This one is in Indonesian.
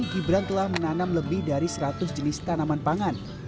gibran telah menanam lebih dari seratus jenis tanaman pangan